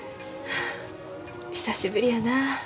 久しぶりやな